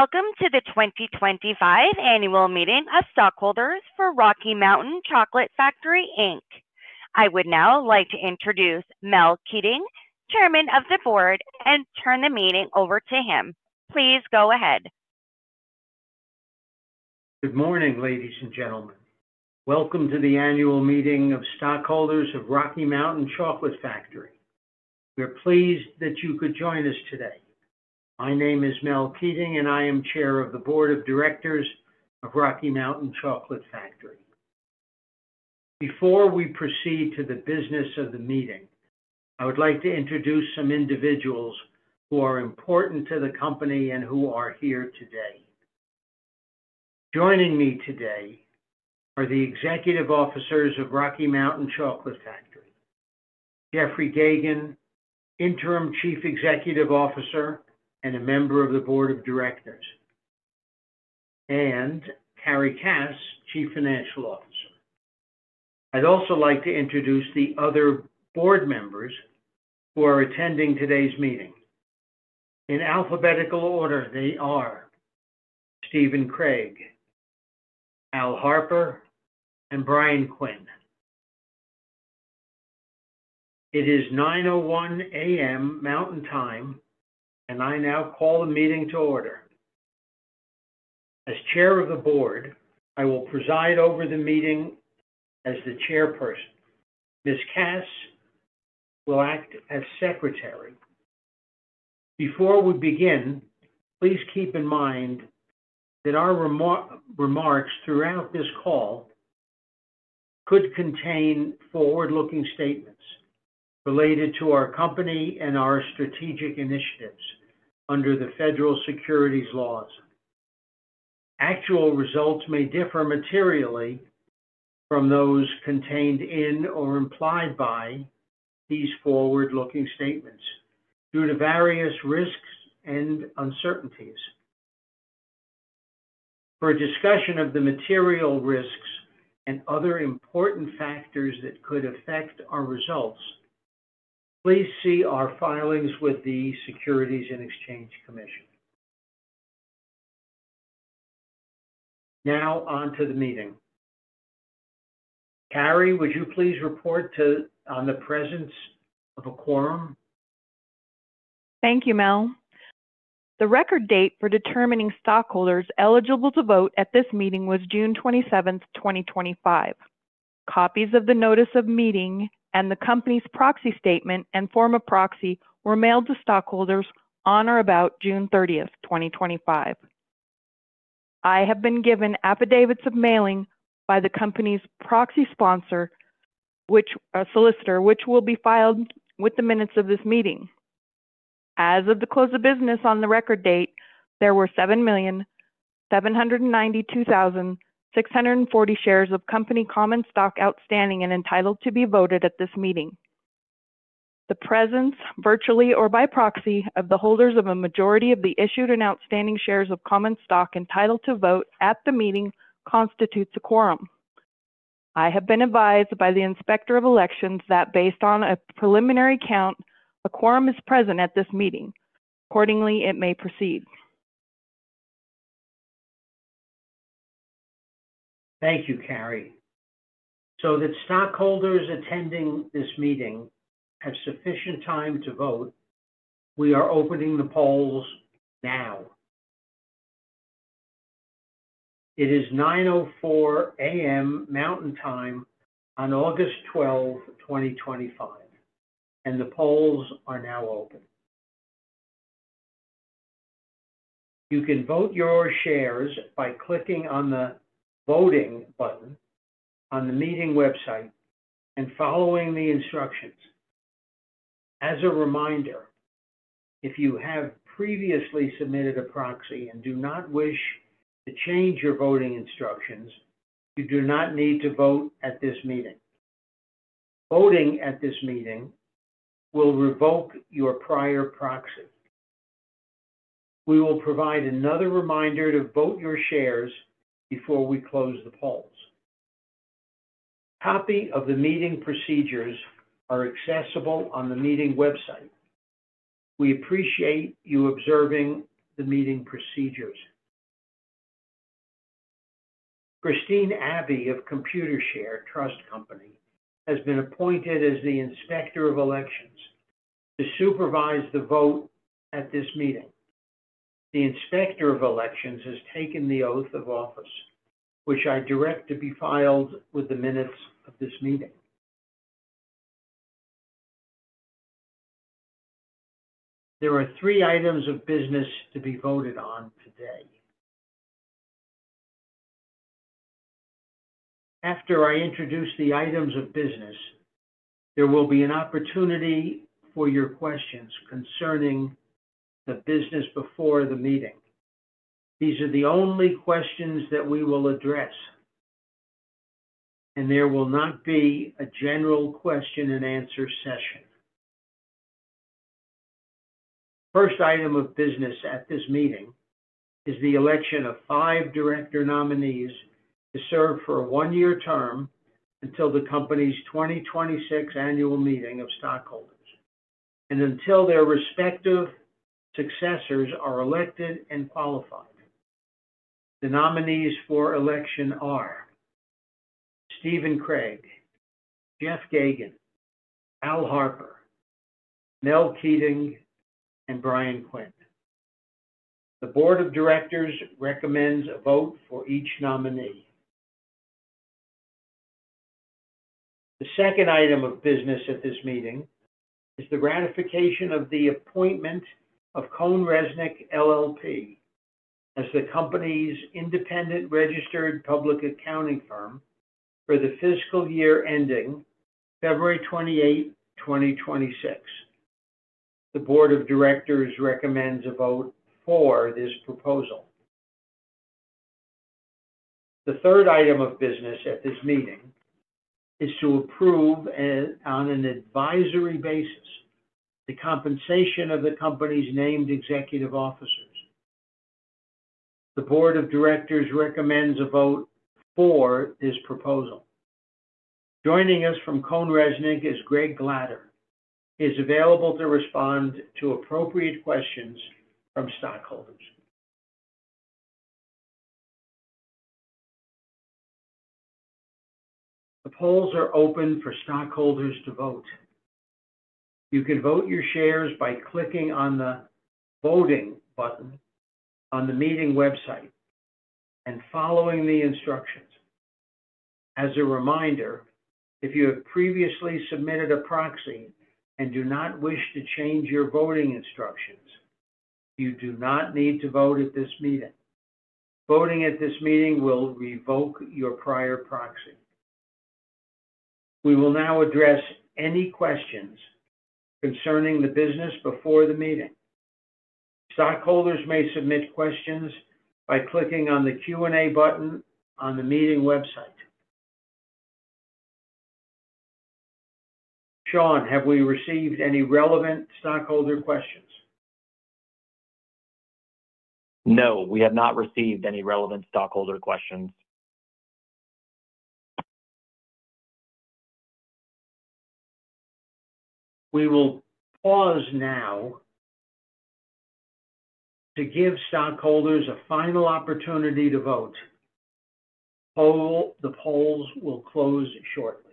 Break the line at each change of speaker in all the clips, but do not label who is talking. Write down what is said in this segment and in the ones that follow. Welcome to the 2025 annual meeting of stockholders for Rocky Mountain Chocolate Factory, Inc. I would now like to introduce Mel Keating, Chairman of the Board, and turn the meeting over to him. Please go ahead.
Good morning, ladies and gentlemen. Welcome to the annual meeting of stockholders of Rocky Mountain Chocolate Factory. We are pleased that you could join us today. My name is Mel Keating, and I am Chair of the Board of Directors of Rocky Mountain Chocolate Factory. Before we proceed to the business of the meeting, I would like to introduce some individuals who are important to the company and who are here today. Joining me today are the executive officers of Rocky Mountain Chocolate Factory: Jeffrey Geygan, Interim Chief Executive Officer and a member of the Board of Directors, and Carrie Cass, Chief Financial Officer. I'd also like to introduce the other board members who are attending today's meeting. In alphabetical order, they are Steven Craig, Al Harper, and Brian Quinn. It is 9:01 A.M. Mountain Time, and I now call the meeting to order. As Chair of the Board, I will preside over the meeting as the Chairperson. Ms. Cass will act as Secretary. Before we begin, please keep in mind that our remarks throughout this call could contain forward-looking statements related to our company and our strategic initiatives under the federal securities laws. Actual results may differ materially from those contained in or implied by these forward-looking statements due to various risks and uncertainties. For a discussion of the material risks and other important factors that could affect our results, please see our filings with the Securities and Exchange Commission. Now on to the meeting. Carrie, would you please report on the presence of a quorum?
Thank you, Mel. The record date for determining stockholders eligible to vote at this meeting was June 27, 2025. Copies of the notice of meeting and the company's proxy statement and form of proxy were mailed to stockholders on or about June 30, 2025. I have been given affidavits of mailing by the company's proxy sponsor, which is a solicitor, which will be filed with the minutes of this meeting. As of the close of business on the record date, there were 7,792,640 shares of company common stock outstanding and entitled to be voted at this meeting. The presence, virtually or by proxy, of the holders of a majority of the issued and outstanding shares of common stock entitled to vote at the meeting constitutes a quorum. I have been advised by the Inspector of Elections that based on a preliminary count, a quorum is present at this meeting. Accordingly, it may proceed.
Thank you, Carrie. So that stockholders attending this meeting have sufficient time to vote, we are opening the polls now. It is 9:04 A.M. Mountain Time on August 12, 2025, and the polls are now open. You can vote your shares by clicking on the voting button on the meeting website and following the instructions. As a reminder, if you have previously submitted a proxy and do not wish to change your voting instructions, you do not need to vote at this meeting. Voting at this meeting will revoke your prior proxy. We will provide another reminder to vote your shares before we close the polls. A copy of the meeting procedures is accessible on the meeting website. We appreciate you observing the meeting procedures. Christine Abbey of Computershare Trust Company has been appointed as the Inspector of Elections to supervise the vote at this meeting. The Inspector of Elections has taken the oath of office, which I direct to be filed with the minutes of this meeting. There are three items of business to be voted on today. After I introduce the items of business, there will be an opportunity for your questions concerning the business before the meeting. These are the only questions that we will address, and there will not be a general question-and-answer session. The first item of business at this meeting is the election of five director nominees to serve for a one-year term until the company's 2026 annual meeting of stockholders and until their respective successors are elected and qualified. The nominees for election are Steven Craig, Jeffrey Geygan, Al Harper, Mel Keating, and Brian Quinn. The Board of Directors recommends a vote for each nominee. The second item of business at this meeting is the ratification of the appointment of CohnReznick LLP as the company's independent registered public accounting firm for the fiscal year ending February 28, 2026. The Board of Directors recommends a vote for this proposal. The third item of business at this meeting is to approve on an advisory basis the compensation of the company's named executive officers. The Board of Directors recommends a vote for this proposal. Joining us from CohnReznick is Greg Glatter. He is available to respond to appropriate questions from stockholders. The polls are open for stockholders to vote. You can vote your shares by clicking on the voting button on the meeting website and following the instructions. As a reminder, if you have previously submitted a proxy and do not wish to change your voting instructions, you do not need to vote at this meeting. Voting at this meeting will revoke your prior proxy. We will now address any questions concerning the business before the meeting. Stockholders may submit questions by clicking on the Q&A button on the meeting website. Sean, have we received any relevant stockholder questions?
No, we have not received any relevant stockholder questions.
We will pause now to give stockholders a final opportunity to vote. The polls will close shortly.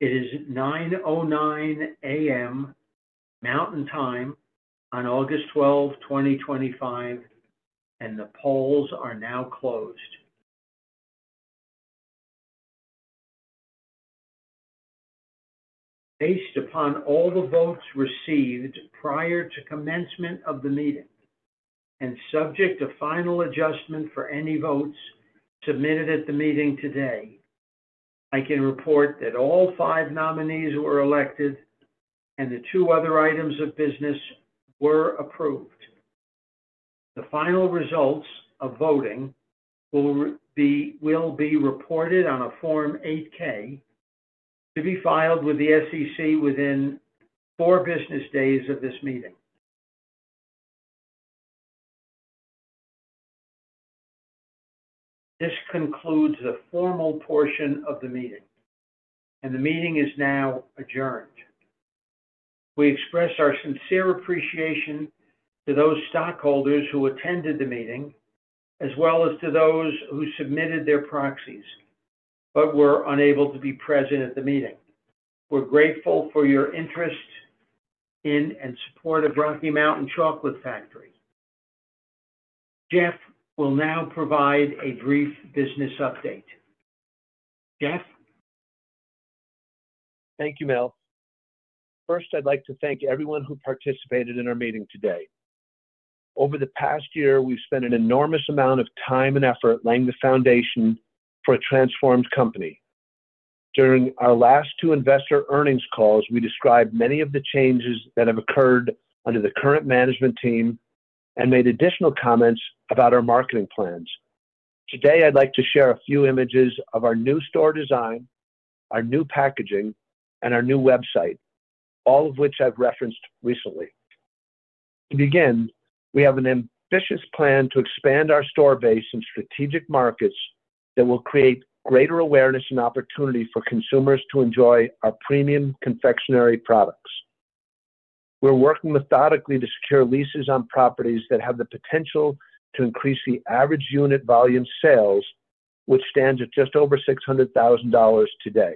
It is 9:09 A.M. Mountain Time on August 12, 2025, and the polls are now closed. Based upon all the votes received prior to commencement of the meeting and subject to final adjustment for any votes submitted at the meeting today, I can report that all five nominees were elected and the two other items of business were approved. The final results of voting will be reported on a Form 8-K to be filed with the SEC within four business days of this meeting. This concludes the formal portion of the meeting, and the meeting is now adjourned. We express our sincere appreciation to those stockholders who attended the meeting, as well as to those who submitted their proxies but were unable to be present at the meeting. We're grateful for your interest in and support of Rocky Mountain Chocolate Factory. Jeff will now provide a brief business update. Jeff?
Thank you, Mel. First, I'd like to thank everyone who participated in our meeting today. Over the past year, we've spent an enormous amount of time and effort laying the foundation for a transformed company. During our last two investor earnings calls, we described many of the changes that have occurred under the current management team and made additional comments about our marketing plans. Today, I'd like to share a few images of our new store design, our new packaging, and our new website, all of which I've referenced recently. To begin, we have an ambitious plan to expand our store base in strategic markets that will create greater awareness and opportunity for consumers to enjoy our premium confectionery products. We're working methodically to secure leases on properties that have the potential to increase the average unit volume sales, which stands at just over $600,000 today.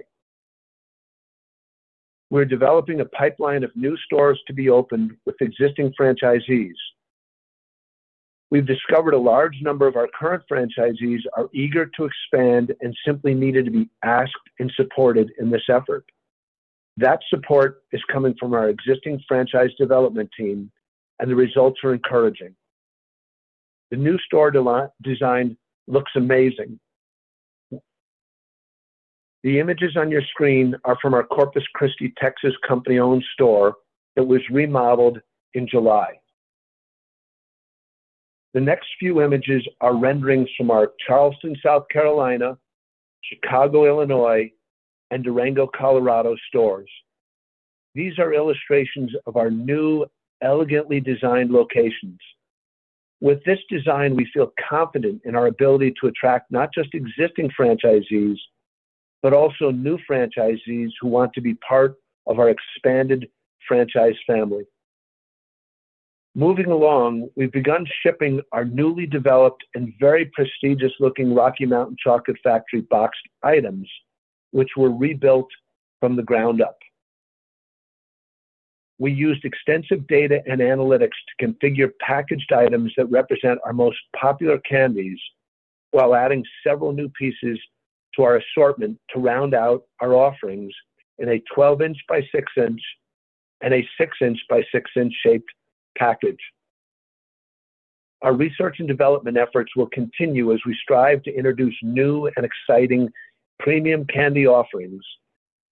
We're developing a pipeline of new stores to be opened with existing franchisees. We've discovered a large number of our current franchisees are eager to expand and simply needed to be asked and supported in this effort. That support is coming from our existing franchise development team, and the results are encouraging. The new store design looks amazing. The images on your screen are from our Corpus Christi, Texas, company-owned store that was remodeled in July. The next few images are renderings from our Charleston, South Carolina, Chicago, Illinois, and Durango, Colorado stores. These are illustrations of our new, elegantly designed locations. With this design, we feel confident in our ability to attract not just existing franchisees, but also new franchisees who want to be part of our expanded franchise family. Moving along, we've begun shipping our newly developed and very prestigious-looking Rocky Mountain Chocolate Factory box items, which were rebuilt from the ground up. We used extensive data and analytics to configure packaged items that represent our most popular candies while adding several new pieces to our assortment to round out our offerings in a 12 in by 6 in and a 6 in by 6 in shaped package. Our research and development efforts will continue as we strive to introduce new and exciting premium candy offerings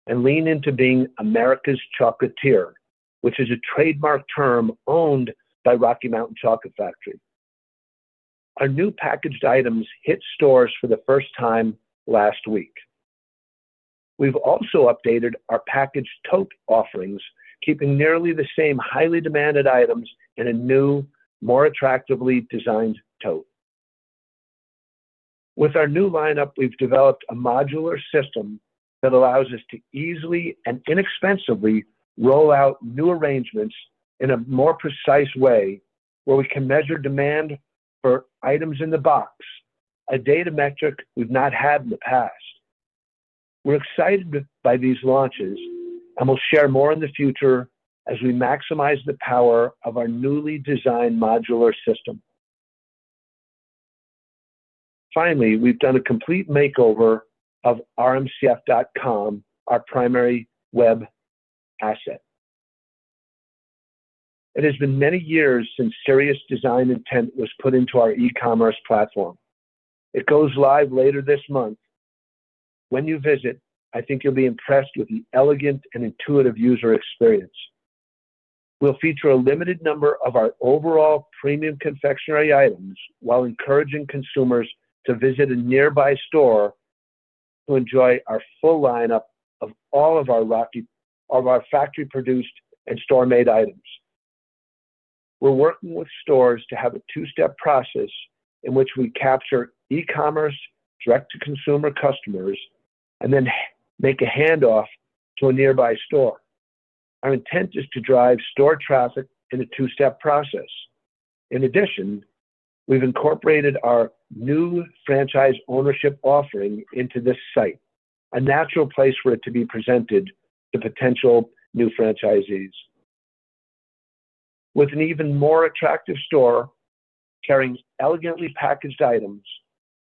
and lean into being America's Chocolatier, which is a trademark term owned by Rocky Mountain Chocolate Factory. Our new packaged items hit stores for the first time last week. We've also updated our packaged tote offerings, keeping nearly the same highly demanded items in a new, more attractively designed tote. With our new lineup, we've developed a modular system that allows us to easily and inexpensively roll out new arrangements in a more precise way where we can measure demand for items in the box, a data metric we've not had in the past. We're excited by these launches and will share more in the future as we maximize the power of our newly designed modular system. Finally, we've done a complete makeover of rmcf.com, our primary web asset. It has been many years since serious design intent was put into our e-commerce platform. It goes live later this month. When you visit, I think you'll be impressed with the elegant and intuitive user experience. We'll feature a limited number of our overall premium confectionery items while encouraging consumers to visit a nearby store to enjoy our full lineup of all of our factory-produced and store-made items. We're working with stores to have a two-step process in which we capture e-commerce direct-to-consumer customers and then make a handoff to a nearby store. Our intent is to drive store traffic in a two-step process. In addition, we've incorporated our new franchise ownership offering into this site, a natural place for it to be presented to potential new franchisees. With an even more attractive store carrying elegantly packaged items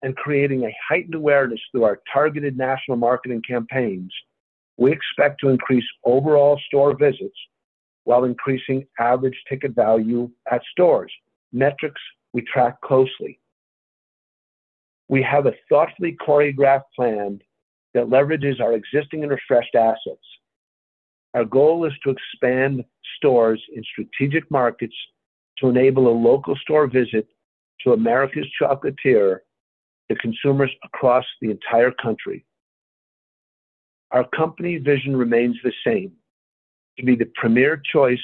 and creating a heightened awareness through our targeted national marketing campaigns, we expect to increase overall store visits while increasing average ticket value at stores, metrics we track closely. We have a thoughtfully choreographed plan that leverages our existing and refreshed assets. Our goal is to expand stores in strategic markets to enable a local store visit to America's Chocolatier to consumers across the entire country. Our company vision remains the same: to be the premier choice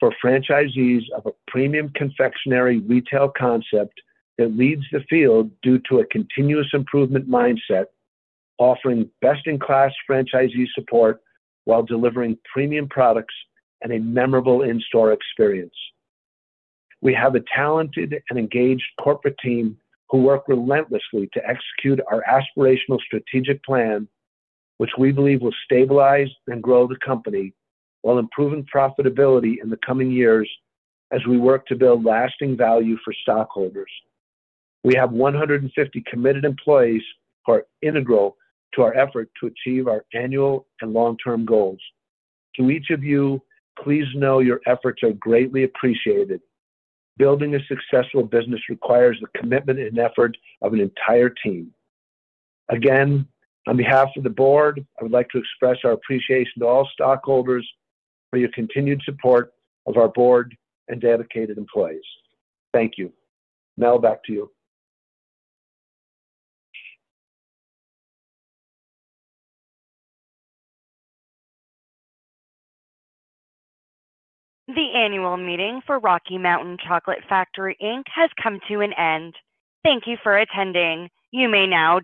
for franchisees of a premium confectionery retail concept that leads the field due to a continuous improvement mindset, offering best-in-class franchisee support while delivering premium products and a memorable in-store experience. We have a talented and engaged corporate team who work relentlessly to execute our aspirational strategic plan, which we believe will stabilize and grow the company while improving profitability in the coming years as we work to build lasting value for stockholders. We have 150 committed employees who are integral to our effort to achieve our annual and long-term goals. To each of you, please know your efforts are greatly appreciated. Building a successful business requires the commitment and effort of an entire team. Again, on behalf of the board, I would like to express our appreciation to all stockholders for your continued support of our board and dedicated employees. Thank you. Now, back to you.
The annual meeting for Rocky Mountain Chocolate Factory, Inc. has come to an end. Thank you for attending. You may now.